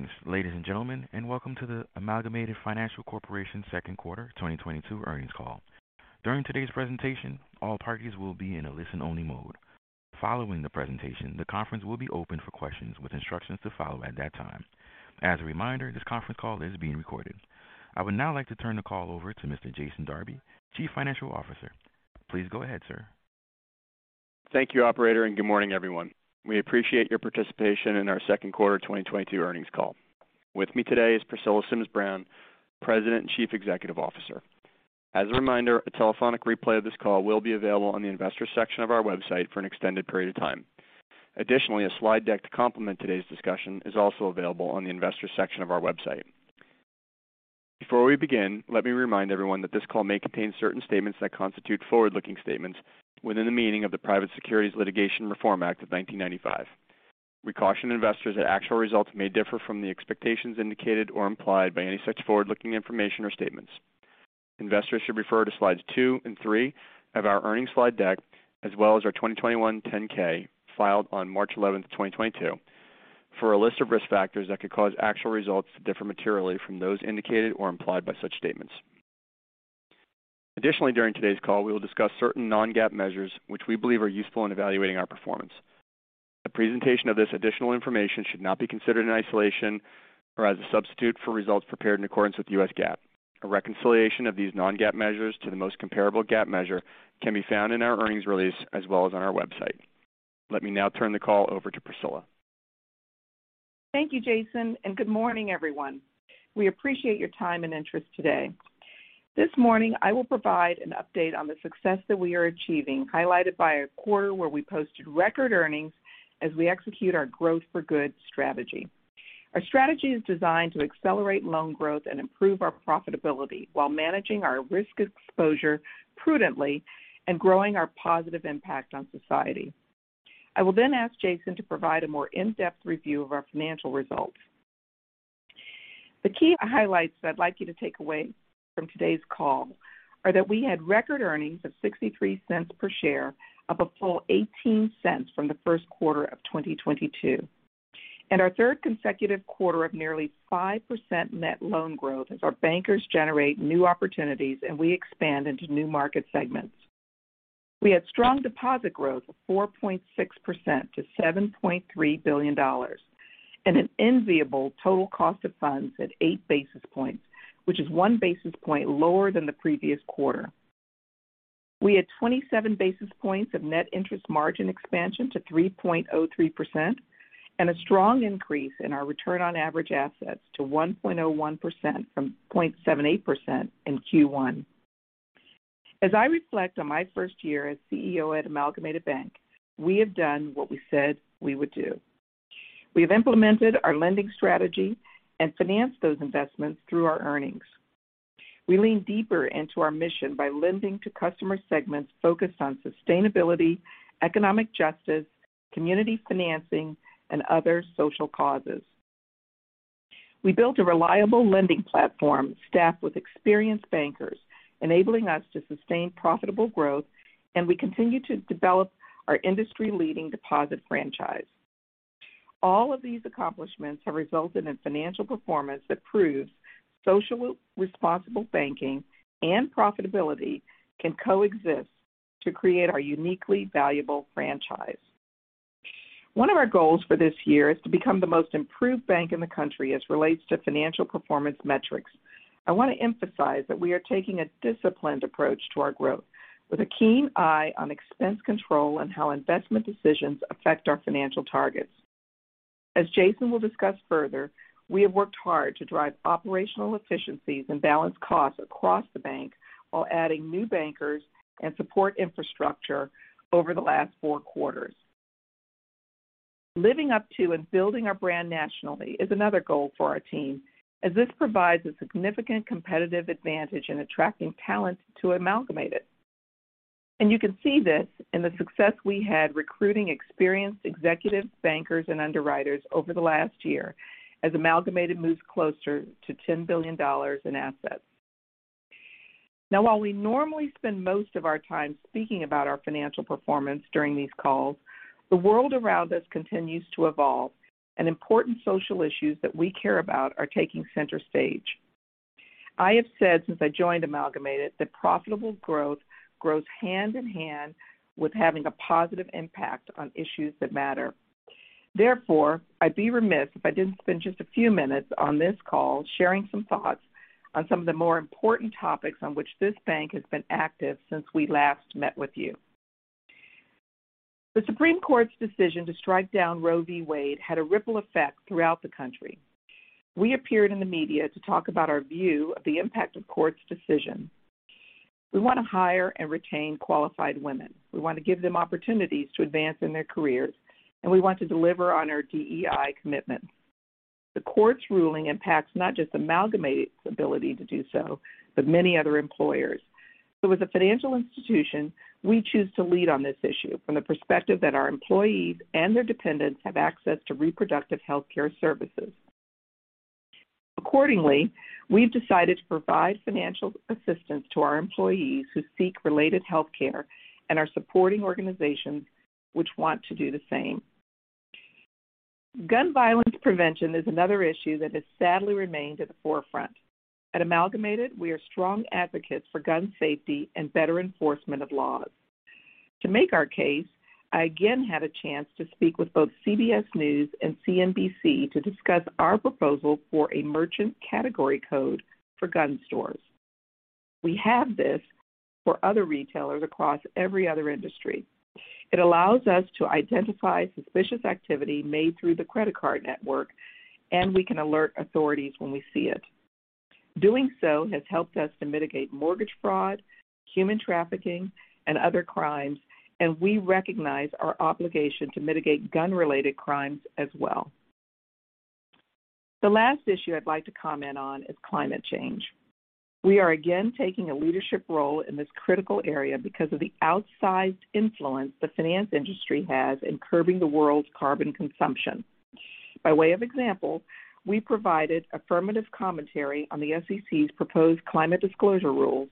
Greetings, ladies and gentlemen, and welcome to the Amalgamated Financial Corp. second quarter 2022 earnings call. During today's presentation, all parties will be in a listen-only mode. Following the presentation, the conference will be opened for questions with instructions to follow at that time. As a reminder, this conference call is being recorded. I would now like to turn the call over to Mr. Jason Darby, Chief Financial Officer. Please go ahead, sir. Thank you, operator, and good morning, everyone. We appreciate your participation in our second quarter 2022 earnings call. With me today is Priscilla Sims Brown, President and Chief Executive Officer. As a reminder, a telephonic replay of this call will be available on the investors section of our website for an extended period of time. Additionally, a slide deck to complement today's discussion is also available on the investors section of our website. Before we begin, let me remind everyone that this call may contain certain statements that constitute forward-looking statements within the meaning of the Private Securities Litigation Reform Act of 1995. We caution investors that actual results may differ from the expectations indicated or implied by any such forward-looking information or statements. Investors should refer to slides two and three of our earnings slide deck as well as our 2021 10-K filed on March 11th, 2022 for a list of risk factors that could cause actual results to differ materially from those indicated or implied by such statements. Additionally, during today's call, we will discuss certain non-GAAP measures which we believe are useful in evaluating our performance. The presentation of this additional information should not be considered in isolation or as a substitute for results prepared in accordance with U.S. GAAP. A reconciliation of these non-GAAP measures to the most comparable GAAP measure can be found in our earnings release as well as on our website. Let me now turn the call over to Priscilla. Thank you, Jason, and good morning, everyone. We appreciate your time and interest today. This morning, I will provide an update on the success that we are achieving, highlighted by a quarter where we posted record earnings as we execute our growth for good strategy. Our strategy is designed to accelerate loan growth and improve our profitability while managing our risk exposure prudently and growing our positive impact on society. I will then ask Jason to provide a more in-depth review of our financial results. The key highlights that I'd like you to take away from today's call are that we had record earnings of $0.63 per share, up a full $0.18 from the first quarter of 2022. In our third consecutive quarter of nearly 5% net loan growth as our bankers generate new opportunities, and we expand into new market segments. We had strong deposit growth of 4.6% to $7.3 billion and an enviable total cost of funds at 8 basis points, which is 1 basis point lower than the previous quarter. We had 27 basis points of net interest margin expansion to 3.03% and a strong increase in our return on average assets to 1.01% from 0.78% in Q1. As I reflect on my first year as CEO at Amalgamated Bank, we have done what we said we would do. We have implemented our lending strategy and financed those investments through our earnings. We leaned deeper into our mission by lending to customer segments focused on sustainability, economic justice, community financing, and other social causes. We built a reliable lending platform staffed with experienced bankers, enabling us to sustain profitable growth, and we continue to develop our industry-leading deposit franchise. All of these accomplishments have resulted in financial performance that proves socially responsible banking and profitability can coexist to create our uniquely valuable franchise. One of our goals for this year is to become the most improved bank in the country as relates to financial performance metrics. I want to emphasize that we are taking a disciplined approach to our growth with a keen eye on expense control and how investment decisions affect our financial targets. As Jason will discuss further, we have worked hard to drive operational efficiencies and balance costs across the bank while adding new bankers and support infrastructure over the last four quarters. Living up to and building our brand nationally is another goal for our team, as this provides a significant competitive advantage in attracting talent to Amalgamated. You can see this in the success we had recruiting experienced executives, bankers, and underwriters over the last year as Amalgamated moves closer to $10 billion in assets. Now while we normally spend most of our time speaking about our financial performance during these calls, the world around us continues to evolve, and important social issues that we care about are taking center stage. I have said since I joined Amalgamated that profitable growth grows hand in hand with having a positive impact on issues that matter. Therefore, I'd be remiss if I didn't spend just a few minutes on this call sharing some thoughts on some of the more important topics on which this bank has been active since we last met with you. The Supreme Court's decision to strike down Roe v. Wade had a ripple effect throughout the country. We appeared in the media to talk about our view of the impact of Court's decision. We want to hire and retain qualified women. We want to give them opportunities to advance in their careers, and we want to deliver on our DEI commitment. The Court's ruling impacts not just Amalgamated's ability to do so, but many other employers. As a financial institution, we choose to lead on this issue from the perspective that our employees and their dependents have access to reproductive healthcare services. Accordingly, we've decided to provide financial assistance to our employees who seek related health care and our supporting organizations which want to do the same. Gun violence prevention is another issue that has sadly remained at the forefront. At Amalgamated, we are strong advocates for gun safety and better enforcement of laws. To make our case, I again had a chance to speak with both CBS News and CNBC to discuss our proposal for a merchant category code for gun stores. We have this for other retailers across every other industry. It allows us to identify suspicious activity made through the credit card network, and we can alert authorities when we see it. Doing so has helped us to mitigate mortgage fraud, human trafficking, and other crimes, and we recognize our obligation to mitigate gun-related crimes as well. The last issue I'd like to comment on is climate change. We are again taking a leadership role in this critical area because of the outsized influence the finance industry has in curbing the world's carbon consumption. By way of example, we provided affirmative commentary on the SEC's proposed climate disclosure rules,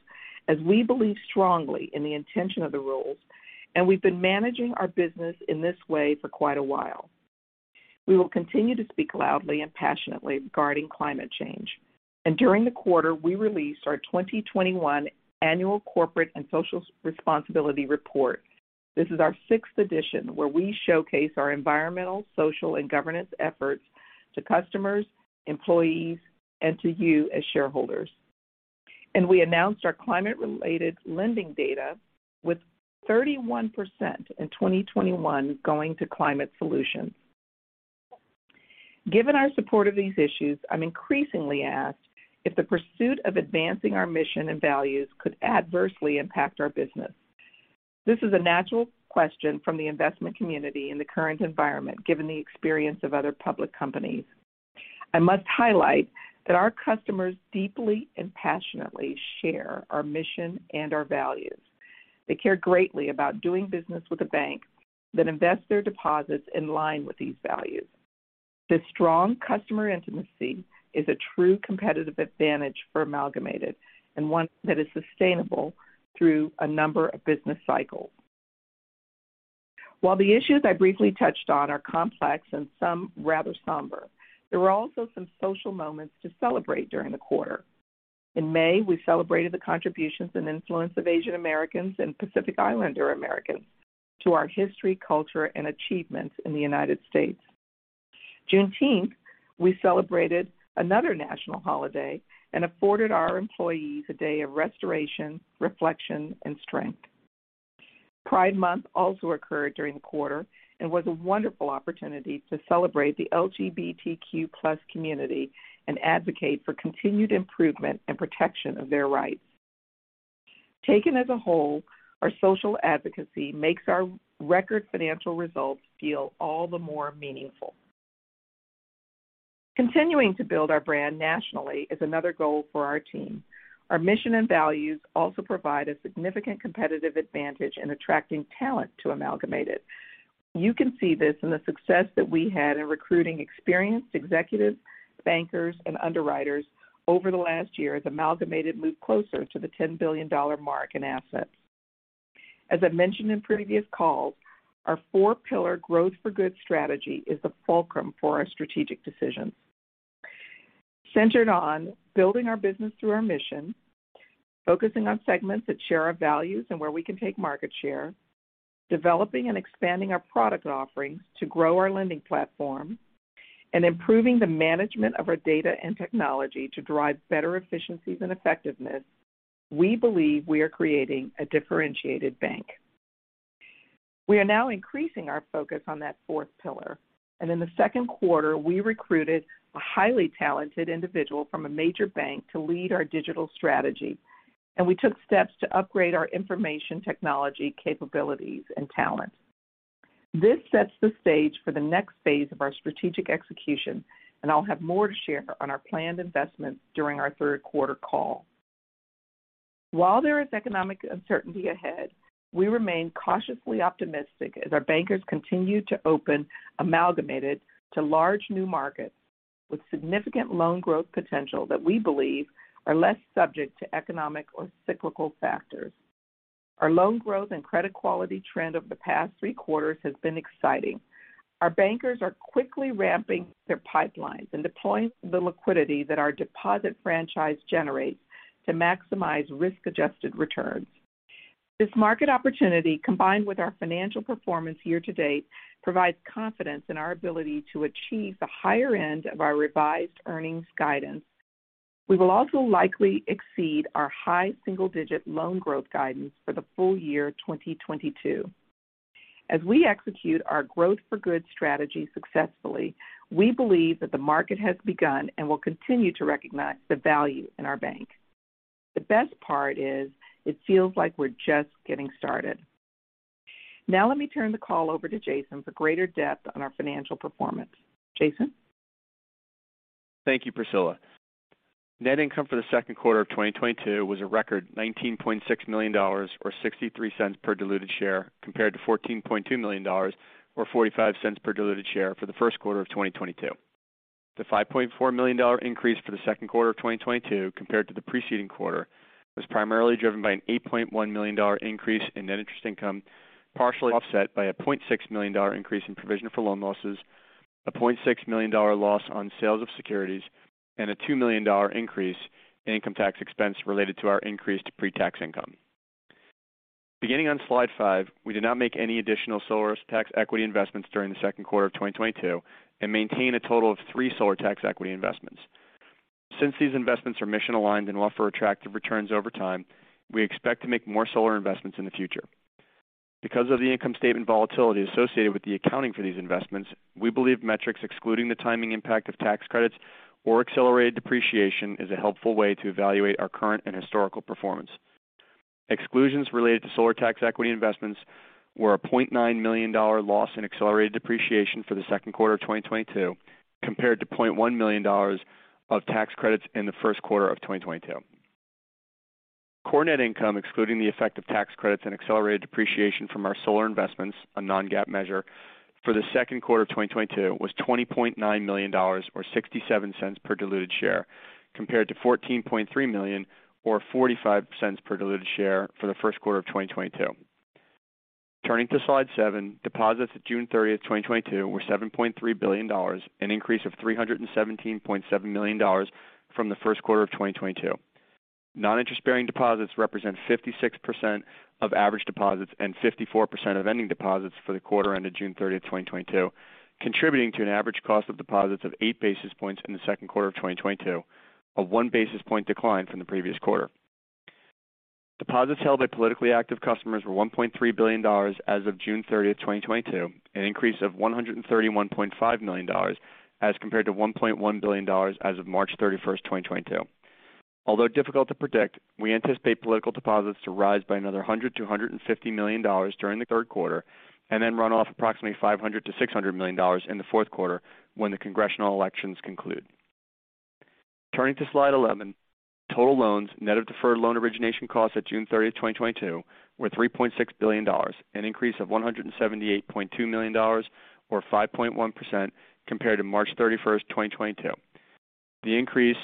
as we believe strongly in the intention of the rules, and we've been managing our business in this way for quite a while. We will continue to speak loudly and passionately regarding climate change. During the quarter, we released our 2021 Annual Corporate and Social Responsibility Report. This is our sixth edition where we showcase our environmental, social, and governance efforts to customers, employees, and to you as shareholders. We announced our climate-related lending data, with 31% in 2021 going to climate solutions. Given our support of these issues, I'm increasingly asked if the pursuit of advancing our mission and values could adversely impact our business. This is a natural question from the investment community in the current environment, given the experience of other public companies. I must highlight that our customers deeply and passionately share our mission and our values. They care greatly about doing business with a bank that invests their deposits in line with these values. This strong customer intimacy is a true competitive advantage for Amalgamated, and one that is sustainable through a number of business cycles. While the issues I briefly touched on are complex and some rather somber, there were also some social moments to celebrate during the quarter. In May, we celebrated the contributions and influence of Asian Americans and Pacific Islander Americans to our history, culture, and achievements in the United States. Juneteenth, we celebrated another national holiday and afforded our employees a day of restoration, reflection, and strength. Pride Month also occurred during the quarter and was a wonderful opportunity to celebrate the LGBTQ+ community and advocate for continued improvement and protection of their rights. Taken as a whole, our social advocacy makes our record financial results feel all the more meaningful. Continuing to build our brand nationally is another goal for our team. Our mission and values also provide a significant competitive advantage in attracting talent to Amalgamated. You can see this in the success that we had in recruiting experienced executives, bankers, and underwriters over the last year as Amalgamated moved closer to the $10 billion mark in assets. As I've mentioned in previous calls, our four-pillar growth for good strategy is the fulcrum for our strategic decisions. Centered on building our business through our mission, focusing on segments that share our values and where we can take market share, developing and expanding our product offerings to grow our lending platform, and improving the management of our data and technology to drive better efficiencies and effectiveness, we believe we are creating a differentiated bank. We are now increasing our focus on that fourth pillar, and in the second quarter, we recruited a highly talented individual from a major bank to lead our digital strategy, and we took steps to upgrade our information technology capabilities and talent. This sets the stage for the next phase of our strategic execution, and I'll have more to share on our planned investments during our third quarter call. While there is economic uncertainty ahead, we remain cautiously optimistic as our bankers continue to open Amalgamated to large new markets with significant loan growth potential that we believe are less subject to economic or cyclical factors. Our loan growth and credit quality trend over the past three quarters has been exciting. Our bankers are quickly ramping their pipelines and deploying the liquidity that our deposit franchise generates to maximize risk-adjusted returns. This market opportunity, combined with our financial performance year to date, provides confidence in our ability to achieve the higher end of our revised earnings guidance. We will also likely exceed our high single-digit loan growth guidance for the full year 2022. As we execute our growth for good strategy successfully, we believe that the market has begun and will continue to recognize the value in our bank. The best part is it feels like we're just getting started. Now let me turn the call over to Jason for greater depth on our financial performance. Jason? Thank you, Priscilla. Net income for the second quarter of 2022 was a record $19.6 million or $0.63 per diluted share compared to $14.2 million or $0.45 per diluted share for the first quarter of 2022. The $5.4 million increase for the second quarter of 2022 compared to the preceding quarter was primarily driven by an $8.1 million increase in net interest income, partially offset by a $0.6 million increase in provision for loan losses, a $0.6 million loss on sales of securities, and a $2 million increase in income tax expense related to our increase to pre-tax income. Beginning on slide five, we did not make any additional Solar Tax Equity investments during the second quarter of 2022 and maintain a total of three Solar Tax Equity investments. Since these investments are mission-aligned and offer attractive returns over time, we expect to make more solar investments in the future. Because of the income statement volatility associated with the accounting for these investments, we believe metrics excluding the timing impact of tax credits or accelerated depreciation is a helpful way to evaluate our current and historical performance. Exclusions related to Solar Tax Equity investments were a $0.9 million loss in accelerated depreciation for the second quarter of 2022 compared to $0.1 million of tax credits in the first quarter of 2022. Core net income excluding the effect of tax credits and accelerated depreciation from our solar investments, a non-GAAP measure for the second quarter of 2022 was $20.9 million or $0.67 per diluted share compared to $14.3 million or $0.45 per diluted share for the first quarter of 2022. Turning to slide seven, deposits at June 30th, 2022 were $7.3 billion, an increase of $317.7 million from the first quarter of 2022. Non-interest-bearing deposits represent 56% of average deposits and 54% of ending deposits for the quarter ended June 30th, 2022, contributing to an average cost of deposits of 8 basis points in the second quarter of 2022, a 1 basis point decline from the previous quarter. Deposits held by politically active customers were $1.3 billion as of June 30th, 2022, an increase of $131.5 million as compared to $1.1 billion as of March 31st, 2022. Although difficult to predict, we anticipate political deposits to rise by another $100 million-$150 million during the third quarter and then run off approximately $500 million-$600 million in the fourth quarter when the congressional elections conclude. Turning to slide 11, total loans net of deferred loan origination costs at June 30th, 2022 were $3.6 billion, an increase of $178.2 million or 5.1% compared to March 31st, 2022. The increase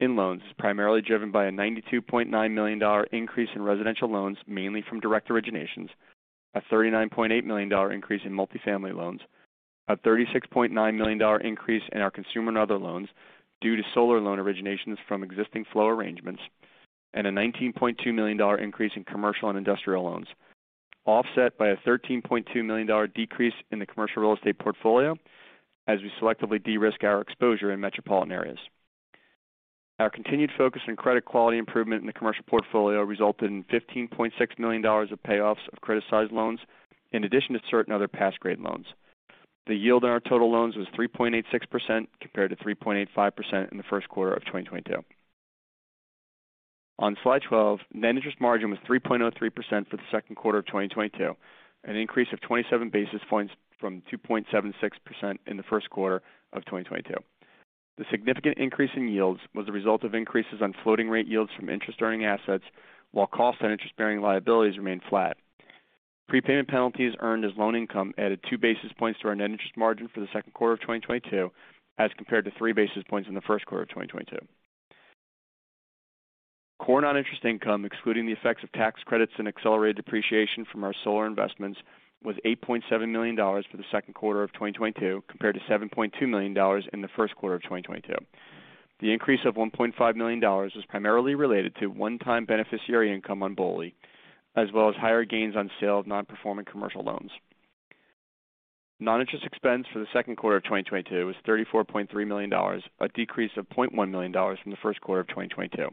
in loans is primarily driven by a $92.9 million increase in residential loans, mainly from direct originations, a $39.8 million increase in multifamily loans, a $36.9 million increase in our consumer and other loans due to solar loan originations from existing flow arrangements, and a $19.2 million increase in commercial and industrial loans, offset by a $13.2 million decrease in the commercial real estate portfolio as we selectively de-risk our exposure in metropolitan areas. Our continued focus on credit quality improvement in the commercial portfolio resulted in $15.6 million of payoffs of criticized loans in addition to certain other pass-grade loans. The yield on our total loans was 3.86% compared to 3.85% in the first quarter of 2022. On slide 12, net interest margin was 3.03% for the second quarter of 2022, an increase of 27 basis points from 2.76% in the first quarter of 2022. The significant increase in yields was a result of increases on floating rate yields from interest-earning assets, while cost and interest-bearing liabilities remained flat. Prepayment penalties earned as loan income added 2 basis points to our net interest margin for the second quarter of 2022 as compared to 3 basis points in the first quarter of 2022. Core non-interest income, excluding the effects of tax credits and accelerated depreciation from our solar investments, was $8.7 million for the second quarter of 2022 compared to $7.2 million in the first quarter of 2022. The increase of $1.5 million was primarily related to one-time beneficiary income on BOLI, as well as higher gains on sale of non-performing commercial loans. Non-interest expense for the second quarter of 2022 was $34.3 million, a decrease of $0.1 million from the first quarter of 2022.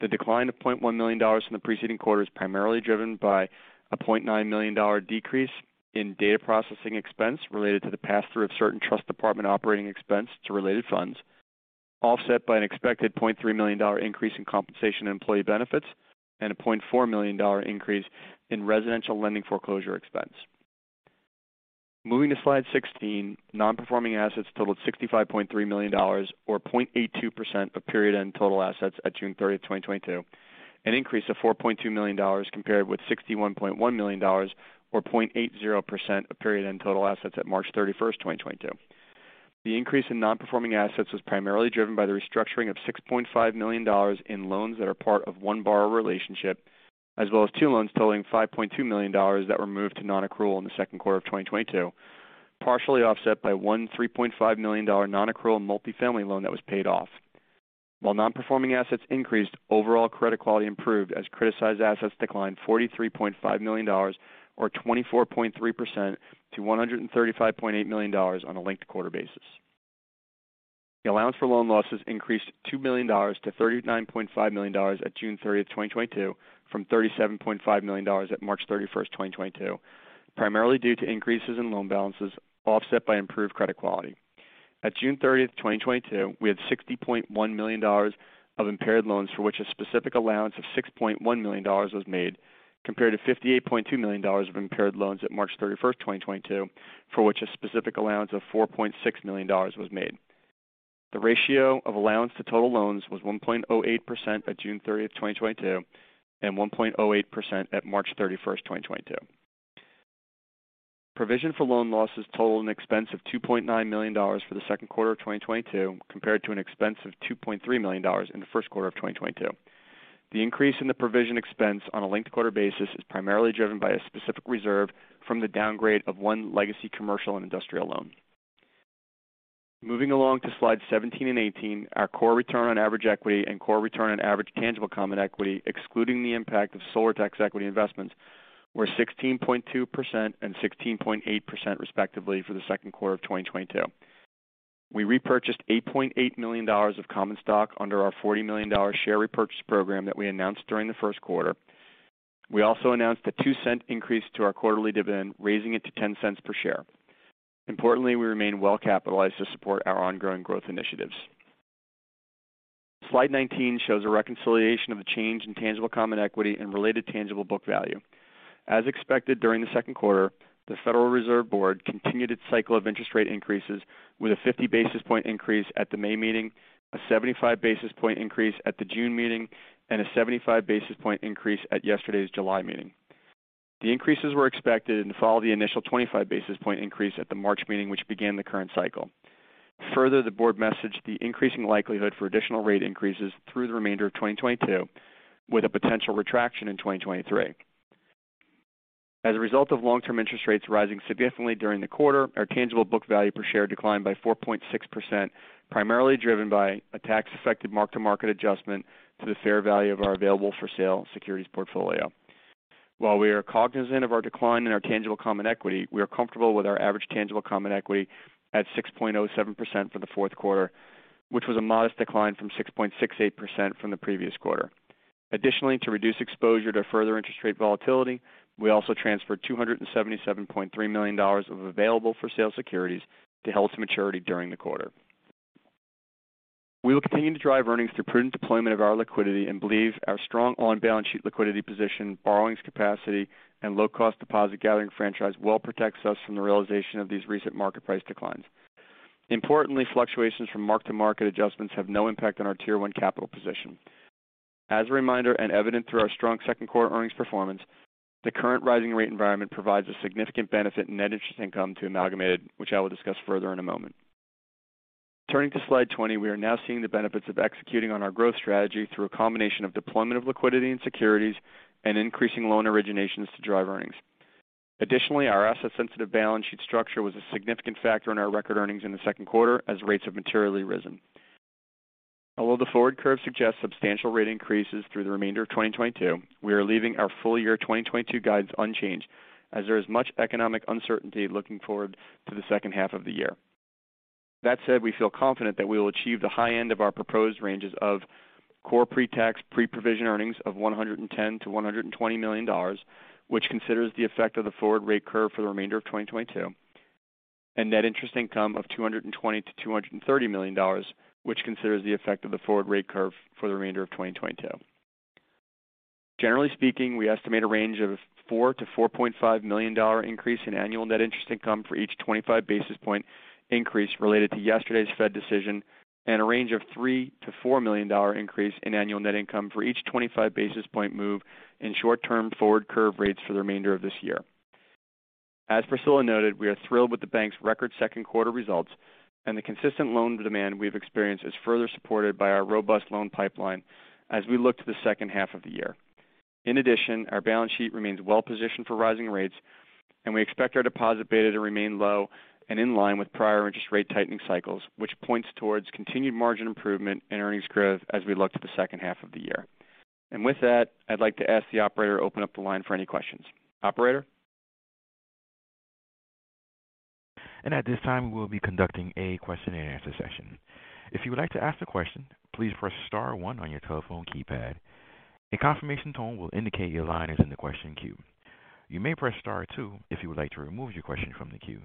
The decline of $0.1 million from the preceding quarter is primarily driven by a $0.9 million decrease in data processing expense related to the pass-through of certain trust department operating expense to related funds, offset by an expected $0.3 million increase in compensation and employee benefits and a $0.4 million increase in residential lending foreclosure expense. Moving to slide 16, non-performing assets totaled $65.3 million or 0.82% of period-end total assets at June 30th, 2022, an increase of $4.2 million compared with $61.1 million or 0.80% of period-end total assets at March 31st, 2022. The increase in non-performing assets was primarily driven by the restructuring of $6.5 million in loans that are part of one borrower relationship, as well as two loans totaling $5.2 million that were moved to non-accrual in the second quarter of 2022, partially offset by one $3.5 million non-accrual multifamily loan that was paid off. While non-performing assets increased, overall credit quality improved as criticized assets declined $43.5 million or 24.3% to $135.8 million on a linked quarter basis. The allowance for loan losses increased $2 million to $39.5 million at June 30th, 2022 from $37.5 million at March 31st, 2022, primarily due to increases in loan balances offset by improved credit quality. At June 30th, 2022, we had $60.1 million of impaired loans for which a specific allowance of $6.1 million was made compared to $58.2 million of impaired loans at March 31st, 2022, for which a specific allowance of $4.6 million was made. The ratio of allowance to total loans was 1.08% at June 30th, 2022, and 1.08% at March 31st, 2022. Provision for loan losses totaled an expense of $2.9 million for the second quarter of 2022 compared to an expense of $2.3 million in the first quarter of 2022. The increase in the provision expense on a linked-quarter basis is primarily driven by a specific reserve from the downgrade of one legacy commercial and industrial loan. Moving along to slide 17 and 18, our core return on average equity and core return on average tangible common equity, excluding the impact of Solar Tax Equity investments, were 16.2% and 16.8% respectively for the second quarter of 2022. We repurchased $8.8 million of common stock under our $40 million share repurchase program that we announced during the first quarter. We also announced a $0.02 increase to our quarterly dividend, raising it to $0.10 per share. Importantly, we remain well capitalized to support our ongoing growth initiatives. Slide 19 shows a reconciliation of a change in tangible common equity and related tangible book value. As expected during the second quarter, the Federal Reserve Board continued its cycle of interest rate increases with a 50 basis points increase at the May meeting, a 75 basis points increase at the June meeting, and a 75 basis points increase at yesterday's July meeting. The increases were expected and follow the initial 25 basis points increase at the March meeting, which began the current cycle. Further, the Board messaged the increasing likelihood for additional rate increases through the remainder of 2022, with a potential retraction in 2023. As a result of long-term interest rates rising significantly during the quarter, our tangible book value per share declined by 4.6%, primarily driven by a tax-affected mark-to-market adjustment to the fair value of our available-for-sale securities portfolio. While we are cognizant of our decline in our tangible common equity, we are comfortable with our average tangible common equity at 6.07% for the fourth quarter, which was a modest decline from 6.68% from the previous quarter. Additionally, to reduce exposure to further interest rate volatility, we also transferred $277.3 million of available for sale securities to held to maturity during the quarter. We will continue to drive earnings through prudent deployment of our liquidity and believe our strong on-balance sheet liquidity position, borrowings capacity, and low-cost deposit gathering franchise well protects us from the realization of these recent market price declines. Importantly, fluctuations from mark-to-market adjustments have no impact on our Tier 1 capital position. As a reminder and evident through our strong second quarter earnings performance, the current rising rate environment provides a significant benefit in net interest income to Amalgamated, which I will discuss further in a moment. Turning to slide 20, we are now seeing the benefits of executing on our growth strategy through a combination of deployment of liquidity and securities and increasing loan originations to drive earnings. Additionally, our asset-sensitive balance sheet structure was a significant factor in our record earnings in the second quarter as rates have materially risen. Although the forward curve suggests substantial rate increases through the remainder of 2022, we are leaving our full year 2022 guides unchanged as there is much economic uncertainty looking forward to the second half of the year. That said, we feel confident that we will achieve the high end of our proposed ranges of core pre-tax, pre-provision earnings of $110 million-$120 million, which considers the effect of the forward rate curve for the remainder of 2022, and net interest income of $220 million-$230 million which considers the effect of the forward rate curve for the remainder of 2022. Generally speaking, we estimate a range of $4 million-$4.5 million increase in annual net interest income for each 25 basis point increase related to yesterday's Fed decision and a range of $3 million-$4 million increase in annual net interest income for each 25 basis point move in short-term forward curve rates for the remainder of this year. As Priscilla noted, we are thrilled with the bank's record second quarter results and the consistent loan demand we've experienced is further supported by our robust loan pipeline as we look to the second half of the year. In addition, our balance sheet remains well positioned for rising rates, and we expect our deposit beta to remain low and in line with prior interest rate tightening cycles, which points towards continued margin improvement and earnings growth as we look to the second half of the year. With that, I'd like to ask the operator to open up the line for any questions. Operator? At this time, we will be conducting a question and answer session. If you would like to ask a question, please press star one on your telephone keypad. A confirmation tone will indicate your line is in the question queue. You may press star two if you would like to remove your question from the queue.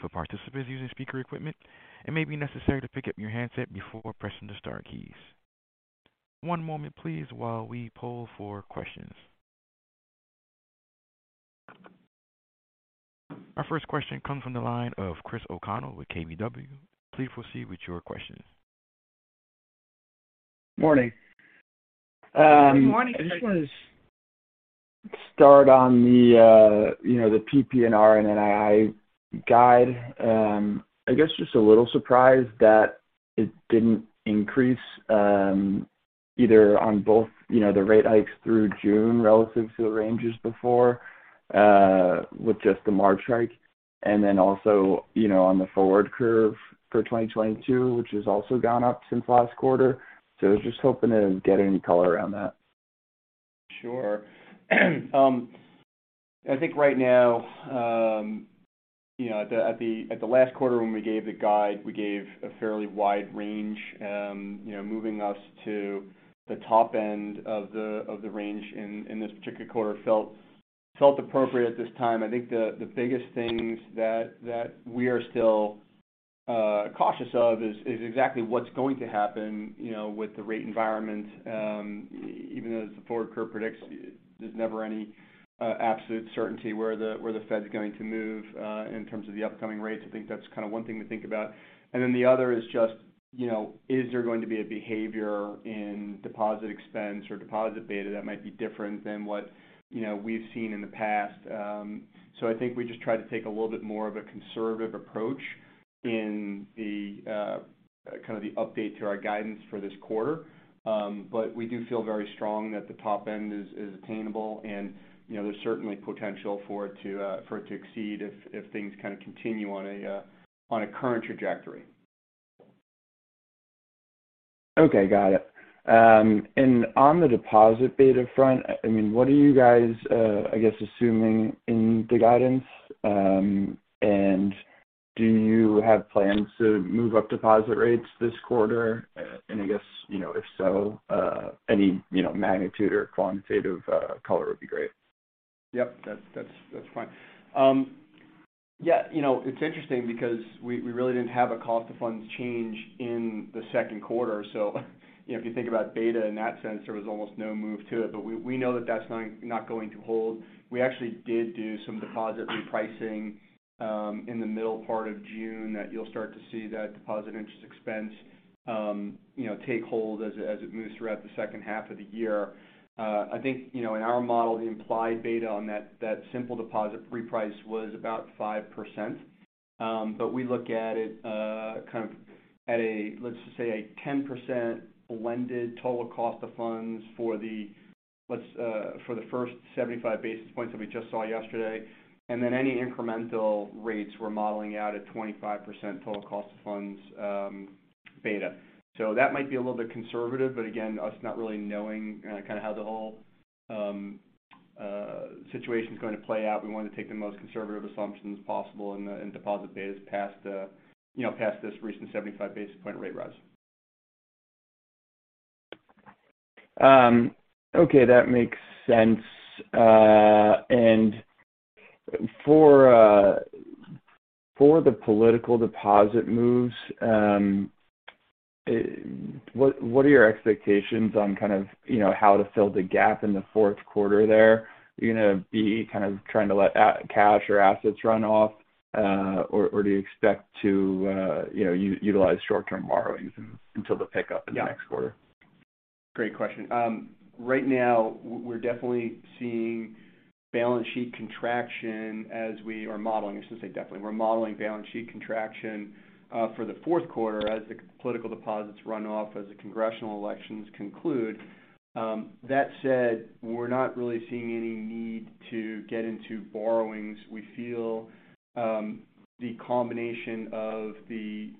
For participants using speaker equipment, it may be necessary to pick up your handset before pressing the star keys. One moment please while we poll for questions. Our first question comes from the line of Christopher O'Connell with KBW. Please proceed with your question. Morning. Good morning. I just wanna start on the, you know, the PPNR and NII guide. I guess just a little surprised that it didn't increase, either on both, you know, the rate hikes through June relative to the ranges before, with just the March hike and then also, you know, on the forward curve for 2022, which has also gone up since last quarter. I was just hoping to get any color around that. Sure. I think right now, you know, at the last quarter when we gave the guide, we gave a fairly wide range. You know, moving us to the top end of the range in this particular quarter felt appropriate at this time. I think the biggest things that we are still cautious of is exactly what's going to happen, you know, with the rate environment. Even though the forward curve predicts, there's never any absolute certainty where the Fed's going to move. In terms of the upcoming rates. I think that's kind of one thing to think about. The other is just, you know, is there going to be a behavior in deposit expense or deposit beta that might be different than what, you know, we've seen in the past? I think we just try to take a little bit more of a conservative approach in the kind of the update to our guidance for this quarter. We do feel very strong that the top end is attainable and, you know, there's certainly potential for it to exceed if things kind of continue on a current trajectory. Okay, got it. On the deposit beta front, I mean, what are you guys, I guess, assuming in the guidance? Do you have plans to move up deposit rates this quarter? I guess, you know, if so, any, you know, magnitude or quantitative color would be great. Yep, that's fine. Yeah, you know, it's interesting because we really didn't have a cost of funds change in the second quarter. You know, if you think about beta in that sense, there was almost no move to it. We know that that's not going to hold. We actually did do some deposit repricing in the middle part of June that you'll start to see that deposit interest expense, you know, take hold as it moves throughout the second half of the year. I think, you know, in our model, the implied beta on that simple deposit reprice was about 5%. We look at it kind of at a, let's just say a 10% blended total cost of funds for the first 75 basis points that we just saw yesterday. Then any incremental rates we're modeling out at 25% total cost of funds beta. That might be a little bit conservative, but again, us not really knowing kind of how the whole situation's going to play out, we wanted to take the most conservative assumptions possible in deposit betas past you know past this recent 75 basis point rate rise. Okay, that makes sense. For the political deposit moves, what are your expectations on kind of, you know, how to fill the gap in the fourth quarter there? Are you gonna be kind of trying to let cash or assets run off? Or do you expect to, you know, utilize short-term borrowings until the pickup- Yeah. ...in the next quarter? Great question. Right now we're definitely seeing balance sheet contraction as we are modeling. I shouldn't say definitely. We're modeling balance sheet contraction for the fourth quarter as the political deposits run off, as the congressional elections conclude. That said, we're not really seeing any need to get into borrowings. We feel the combination of the,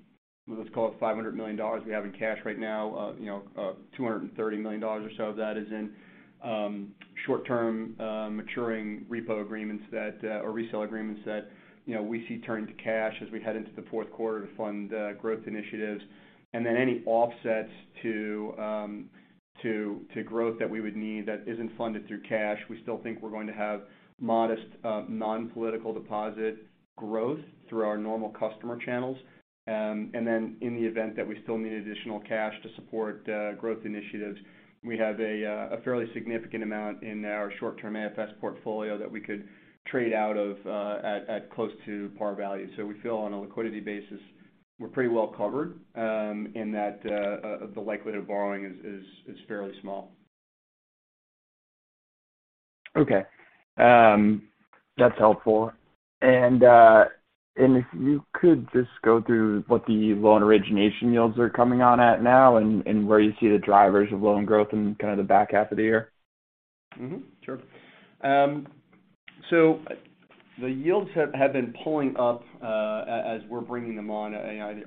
let's call it $500 million we have in cash right now, you know, $230 million or so of that is in short-term maturing repo agreements that or resale agreements that, you know, we see turn into cash as we head into the fourth quarter to fund growth initiatives. Any offsets to growth that we would need that isn't funded through cash, we still think we're going to have modest non-political deposit growth through our normal customer channels. In the event that we still need additional cash to support growth initiatives, we have a fairly significant amount in our short-term AFS portfolio that we could trade out of at close to par value. We feel on a liquidity basis, we're pretty well covered in that the likelihood of borrowing is fairly small. Okay. That's helpful. If you could just go through what the loan origination yields are coming on at now and where you see the drivers of loan growth in kind of the back half of the year. Sure. The yields have been pulling up as we're bringing them on.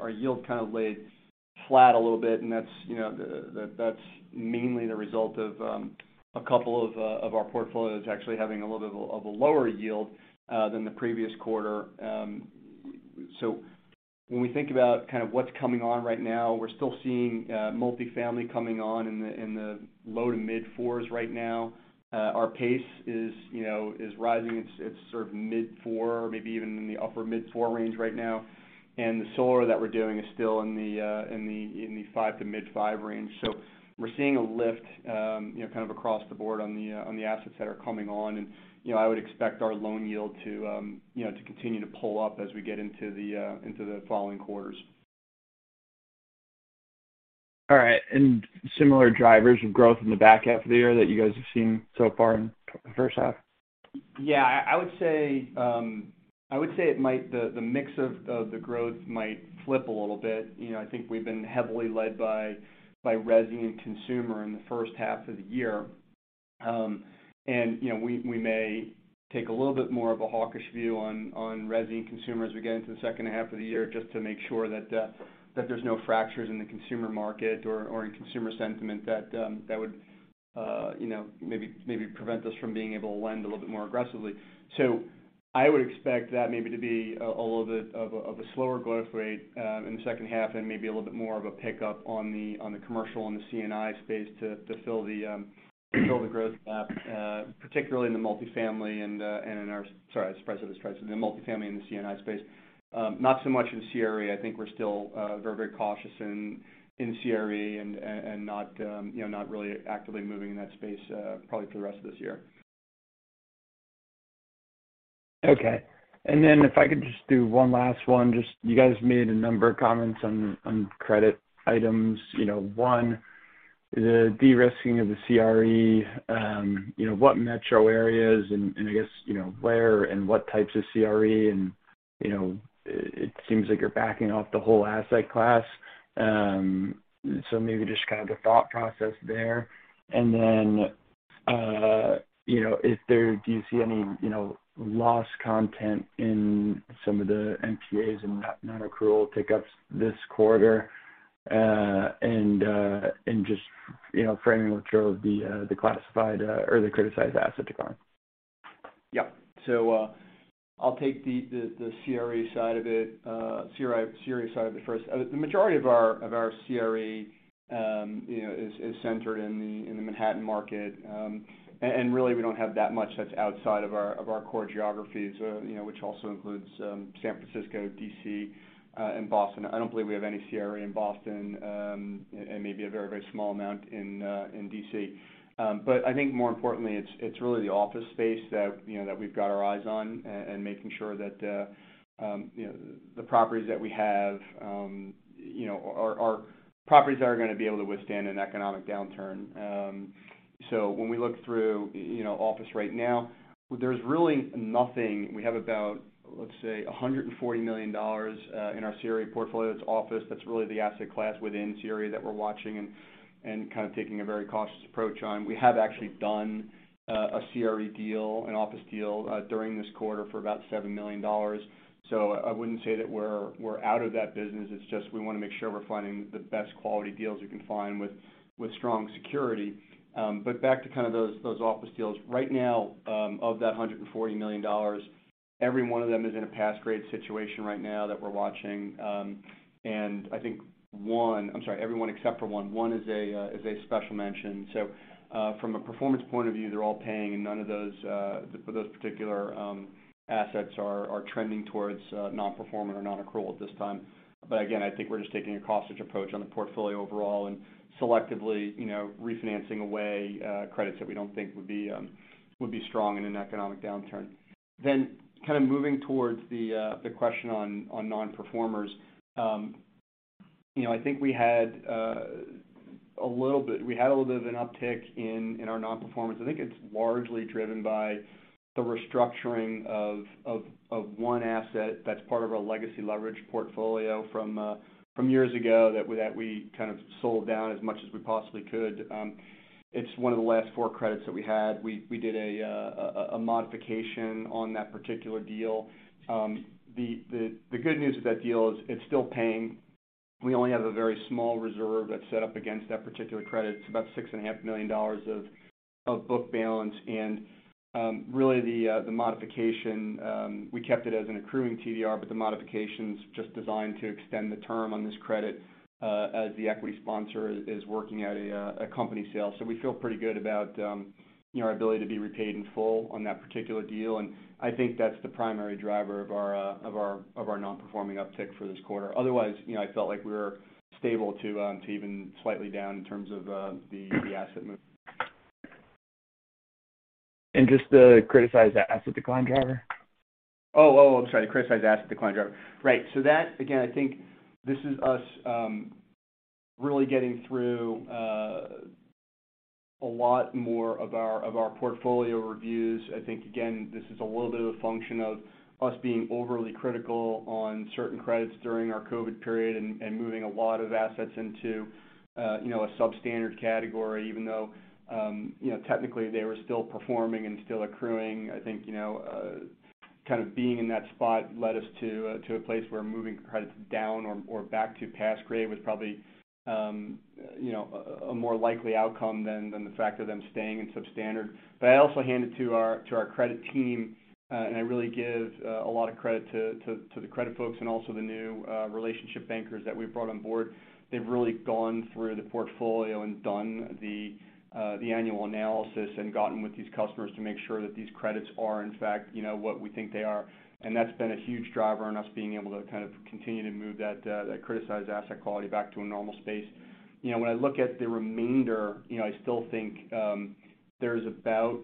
Our yield kind of lagged flat a little bit, and that's, you know, that's mainly the result of a couple of our portfolios actually having a little bit of a lower yield than the previous quarter. When we think about kind of what's coming on right now, we're still seeing multifamily coming on in the low to mid-4s right now. Our PACE is, you know, rising. It's sort of mid-4, maybe even in the upper mid-4 range right now. The solar that we're doing is still in the five to mid-5 range. We're seeing a lift, you know, kind of across the board on the assets that are coming on. You know, I would expect our loan yield to, you know, to continue to pull up as we get into the following quarters. All right. Similar drivers of growth in the back half of the year that you guys have seen so far in the first half? Yeah. I would say the mix of the growth might flip a little bit. You know, I think we've been heavily led by resi and consumer in the first half of the year. You know, we may take a little bit more of a hawkish view on resi and consumer as we get into the second half of the year just to make sure that there's no fractures in the consumer market or in consumer sentiment that would you know, maybe prevent us from being able to lend a little bit more aggressively. I would expect that maybe to be a little bit of a slower growth rate in the second half, and maybe a little bit more of a pickup on the commercial and the C&I space to fill the growth gap, particularly in the multifamily and the C&I space. Not so much in CRE. I think we're still very cautious in CRE and not you know not really actively moving in that space, probably for the rest of this year. Okay. If I could just do one last one. Just you guys made a number of comments on credit items. You know, one, the de-risking of the CRE, you know, what metro areas and I guess, you know, where and what types of CRE and, you know, it seems like you're backing off the whole asset class. Maybe just kind of the thought process there. You know, do you see any, you know, loss content in some of the MPAs and non-accrual tick-ups this quarter? Just, you know, framing what drove the classified or the criticized asset decline. Yeah. I'll take the CRE side of it first. The majority of our CRE, you know, is centered in the Manhattan market. Really, we don't have that much that's outside of our core geographies, you know, which also includes San Francisco, D.C., and Boston. I don't believe we have any CRE in Boston, and maybe a very small amount in D.C. I think more importantly, it's really the office space that, you know, we've got our eyes on and making sure that, you know, the properties that we have, you know, are properties that are gonna be able to withstand an economic downturn. When we look through, you know, office right now, there's really nothing. We have about, let's say, $140 million in our CRE portfolio that's office. That's really the asset class within CRE that we're watching and kind of taking a very cautious approach on. We have actually done a CRE deal, an office deal, during this quarter for about $7 million. I wouldn't say that we're out of that business. It's just we wanna make sure we're finding the best quality deals we can find with strong security. But back to kind of those office deals. Right now, of that $140 million, every one of them is in a pass grade situation right now that we're watching. And I think everyone except for one. One is a special mention. From a performance point of view, they're all paying, and none of those for those particular assets are trending towards non-performing or non-accrual at this time. Again, I think we're just taking a cautious approach on the portfolio overall and selectively, you know, refinancing away credits that we don't think would be strong in an economic downturn. Kind of moving towards the question on non-performers. You know, I think we had a little bit of an uptick in our non-performance. I think it's largely driven by the restructuring of one asset that's part of our legacy leverage portfolio from years ago that we kind of sold down as much as we possibly could. It's one of the last four credits that we had. We did a modification on that particular deal. The good news of that deal is it's still paying. We only have a very small reserve that's set up against that particular credit. It's about $6.5 million of book balance. Really the modification we kept it as an accruing TDR, but the modification's just designed to extend the term on this credit as the equity sponsor is working on a company sale. We feel pretty good about you know, our ability to be repaid in full on that particular deal, and I think that's the primary driver of our non-performing uptick for this quarter. Otherwise, you know, I felt like we were stable to even slightly down in terms of the asset move. Just the criticized asset decline driver. Oh, I'm sorry. The criticized asset decline driver. Right. That, again, I think this is us really getting through a lot more of our portfolio reviews. I think, again, this is a little bit of a function of us being overly critical on certain credits during our COVID period and moving a lot of assets into, you know, a substandard category, even though, you know, technically they were still performing and still accruing. I think, you know, kind of being in that spot led us to a place where moving credits down or back to pass grade was probably, you know, a more likely outcome than the fact of them staying in substandard. I also hand it to our credit team, and I really give a lot of credit to the credit folks and also the new relationship bankers that we've brought on board. They've really gone through the portfolio and done the annual analysis and gotten with these customers to make sure that these credits are in fact, you know, what we think they are. And that's been a huge driver in us being able to kind of continue to move that criticized asset quality back to a normal space. You know, when I look at the remainder, you know, I still think there's about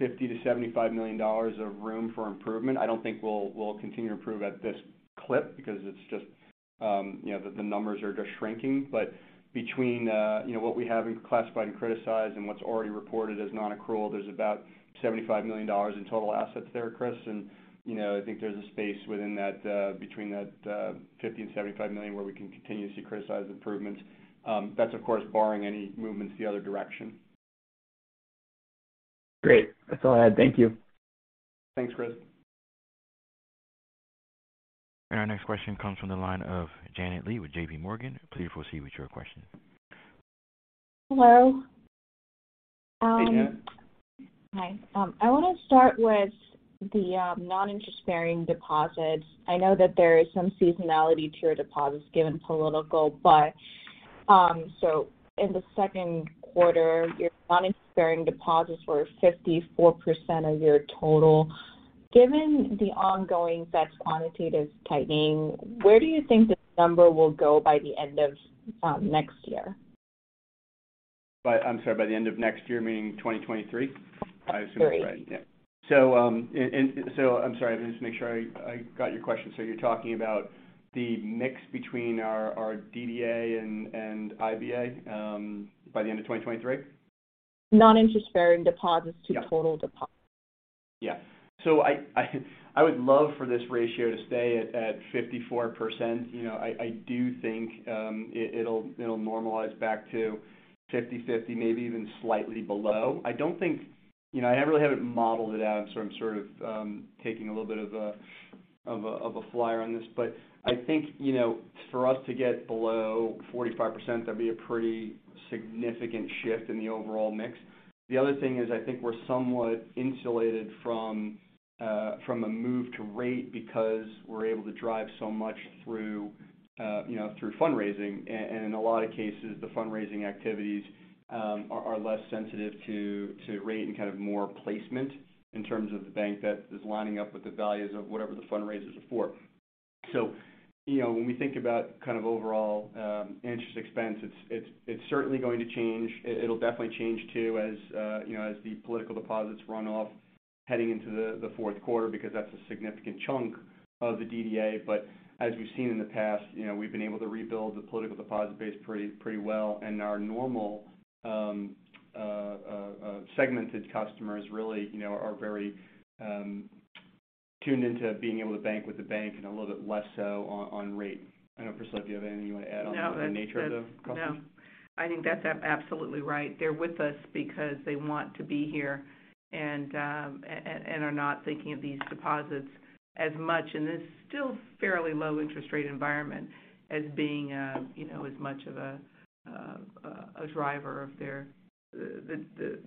$50 million-$75 million of room for improvement. I don't think we'll continue to improve at this clip because it's just, you know, the numbers are just shrinking. Between, you know, what we have in classified and criticized and what's already reported as non-accrual, there's about $75 million in total assets there, Chris. You know, I think there's a space within that, between that $50 million-$75 million where we can continue to see criticized improvements. That's of course barring any movements the other direction. Great. That's all I had. Thank you. Thanks, Chris. Our next question comes from the line of Janet Lee with J.P. Morgan. Please proceed with your question. Hello. Hey, Janet. Hi. I wanna start with the non-interest-bearing deposits. I know that there is some seasonality to your deposits given political, but in the second quarter, your non-interest-bearing deposits were 54% of your total. Given the ongoing Fed's quantitative tightening, where do you think this number will go by the end of next year? I'm sorry, by the end of next year, meaning 2023? 2023. I assume, right? Yeah. I'm sorry, just make sure I got your question. You're talking about the mix between our DDA and IBA by the end of 2023? Non-interest-bearing deposits- Yeah. ...to total deposits. Yeah. I would love for this ratio to stay at 54%. You know, I do think it'll normalize back to 50/50, maybe even slightly below. I don't think, you know, I really haven't modeled it out, so I'm sort of taking a little bit of a flyer on this. I think, you know, for us to get below 45%, that'd be a pretty significant shift in the overall mix. The other thing is, I think we're somewhat insulated from a move to rate because we're able to drive so much through you know through fundraising. In a lot of cases, the fundraising activities are less sensitive to rate and kind of more placement in terms of the bank that is lining up with the values of whatever the fundraisers are for. You know, when we think about kind of overall interest expense, it's certainly going to change. It'll definitely change too as you know, as the political deposits run off heading into the fourth quarter because that's a significant chunk of the DDA. As we've seen in the past, you know, we've been able to rebuild the political deposit base pretty well. Our normal segmented customers really you know, are very tuned into being able to bank with the bank and a little bit less so on rate. I don't know, Priscilla, do you have anything you want to add on the nature of the question? No. I think that's absolutely right. They're with us because they want to be here and are not thinking of these deposits as much, in this still fairly low interest rate environment as being as much of a driver, the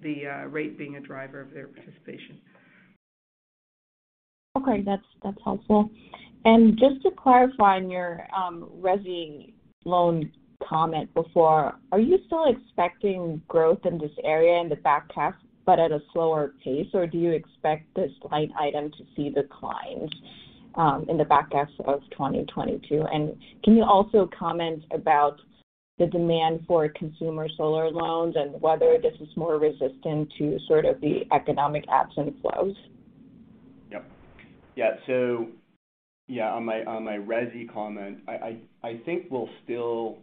rate being a driver of their participation. Okay. That's helpful. Just to clarify on your resi loan comment before, are you still expecting growth in this area in the back half but at a slower pace, or do you expect this line item to see decline in the back half of 2022? Can you also comment about the demand for consumer solar loans and whether this is more resistant to sort of the economic ebbs and flows? On my resi comment, I think we'll still grow.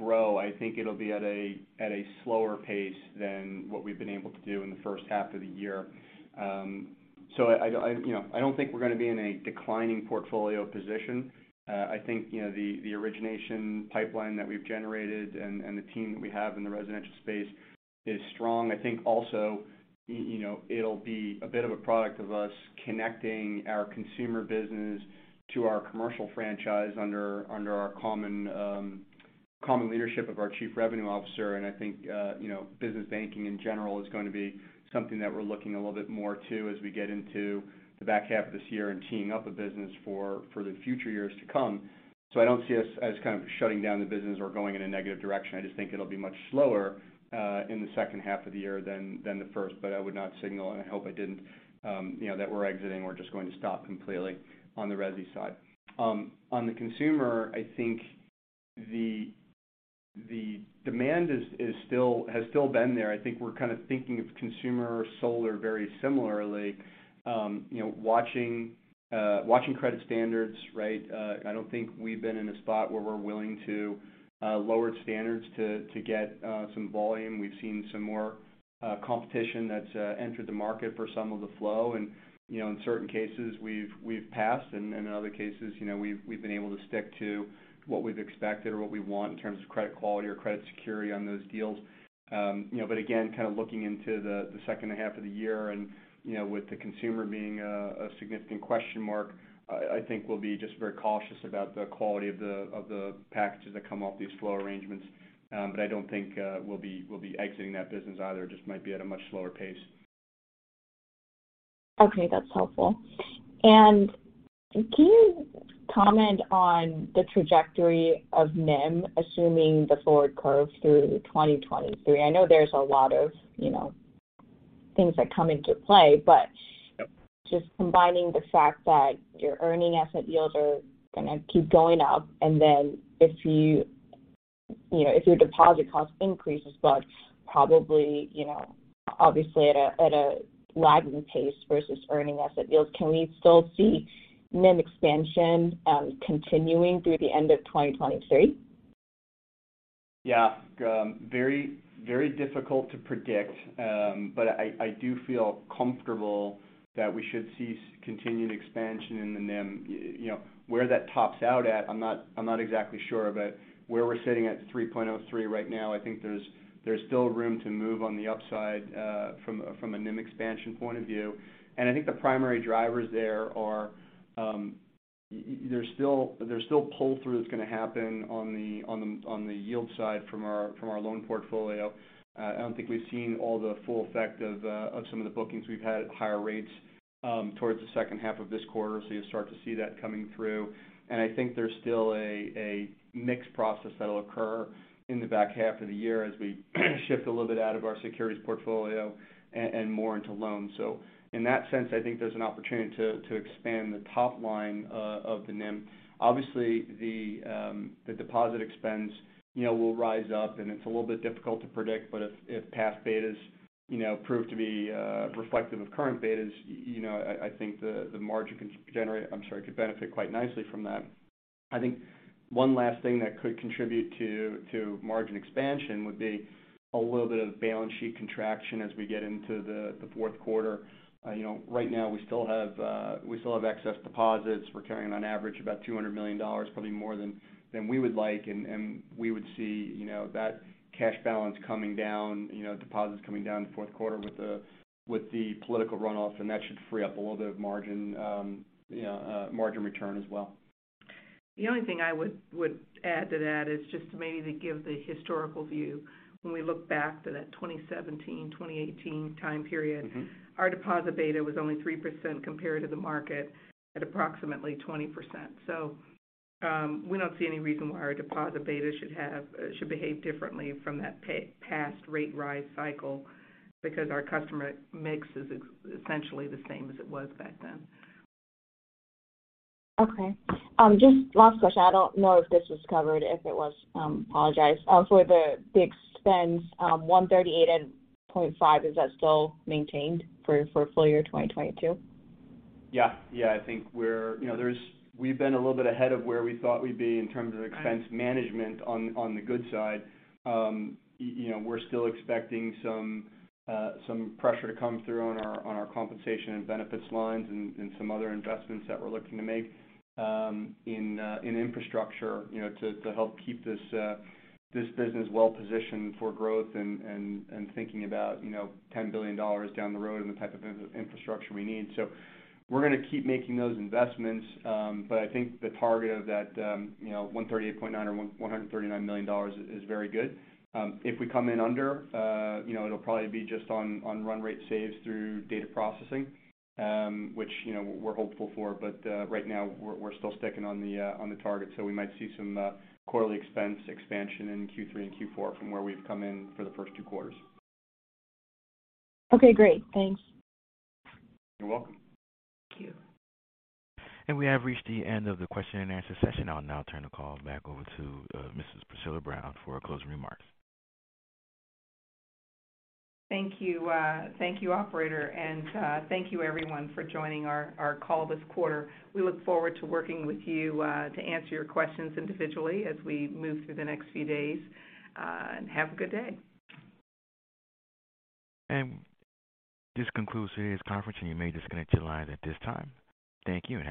I think it'll be at a slower pace than what we've been able to do in the first half of the year. You know, I don't think we're going to be in a declining portfolio position. I think, you know, the origination pipeline that we've generated and the team that we have in the residential space is strong. I think also, you know, it'll be a bit of a product of us connecting our consumer business to our commercial franchise under our common leadership of our chief revenue officer. I think, you know, business banking in general is going to be something that we're looking a little bit more to as we get into the back half of this year and teeing up a business for the future years to come. I don't see us as kind of shutting down the business or going in a negative direction. I just think it'll be much slower in the second half of the year than the first. I would not signal, and I hope I didn't, you know, that we're exiting, we're just going to stop completely on the resi side. On the consumer, I think the demand is still there. I think we're kind of thinking of consumer solar very similarly, you know, watching credit standards, right? I don't think we've been in a spot where we're willing to lower standards to get some volume. We've seen some more competition that's entered the market for some of the flow. You know, in certain cases we've passed, and in other cases, you know, we've been able to stick to what we've expected or what we want in terms of credit quality or credit security on those deals. You know, but again, kind of looking into the second half of the year and, you know, with the consumer being a significant question mark, I think we'll be just very cautious about the quality of the packages that come off these flow arrangements. I don't think we'll be exiting that business either, just might be at a much slower pace. Okay, that's helpful. Can you comment on the trajectory of NIM, assuming the forward curve through 2023? I know there's a lot of, you know, things that come into play, but just combining the fact that your earning asset yields are gonna keep going up, and then if you know, if your deposit cost increases, but probably, you know, obviously at a lagging pace versus earning asset yields, can we still see NIM expansion continuing through the end of 2023? Yeah. Very difficult to predict. I do feel comfortable that we should see continued expansion in the NIM. You know, where that tops out at, I'm not exactly sure. Where we're sitting at 3.03% right now, I think there's still room to move on the upside, from a NIM expansion point of view. I think the primary drivers there are, there's still pull through that's gonna happen on the yield side from our loan portfolio. I don't think we've seen all the full effect of some of the bookings. We've had higher rates towards the second half of this quarter, so you'll start to see that coming through. I think there's still a mixed process that'll occur in the back half of the year as we shift a little bit out of our securities portfolio and more into loans. In that sense, I think there's an opportunity to expand the top line of the NIM. Obviously, the deposit expense, you know, will rise up, and it's a little bit difficult to predict, but if past betas, you know, prove to be reflective of current betas, you know, I think the margin could benefit quite nicely from that. I think one last thing that could contribute to margin expansion would be a little bit of balance sheet contraction as we get into the fourth quarter. You know, right now we still have excess deposits. We're carrying on average about $200 million, probably more than we would like. We would see, you know, that cash balance coming down, you know, deposits coming down the fourth quarter with the political runoff, and that should free up a little bit of margin, you know, margin return as well. The only thing I would add to that is just to maybe give the historical view. When we look back to that 2017, 2018 time period. Mm-hmm. Our deposit beta was only 3% compared to the market at approximately 20%. We don't see any reason why our deposit beta should behave differently from that past rate rise cycle because our customer mix is essentially the same as it was back then. Okay. Just last question. I don't know if this was covered. If it was, apologies. For the expense, $138.5, is that still maintained for full year 2022? Yeah. Yeah, I think you know, we've been a little bit ahead of where we thought we'd be in terms of- Right. ...expense management on the good side. You know, we're still expecting some pressure to come through on our compensation and benefits lines and some other investments that we're looking to make in infrastructure, you know, to help keep this business well positioned for growth and thinking about, you know, $10 billion down the road and the type of infrastructure we need. We're gonna keep making those investments. But I think the target of that, you know, $138.9 million or $139 million is very good. If we come in under, you know, it'll probably be just on run rate saves through data processing, which, you know, we're hopeful for. Right now we're still sticking to the target. We might see some quarterly expense expansion in Q3 and Q4 from where we've come in for the first two quarters. Okay, great. Thanks. You're welcome. Thank you. We have reached the end of the question and answer session. I'll now turn the call back over to Mrs. Priscilla Sims Brown for closing remarks. Thank you. Thank you, operator, and thank you everyone for joining our call this quarter. We look forward to working with you to answer your questions individually as we move through the next few days. Have a good day. This concludes today's conference, and you may disconnect your lines at this time. Thank you and goodbye.